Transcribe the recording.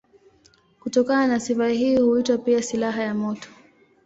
Kutokana na sifa hii huitwa pia silaha ya moto.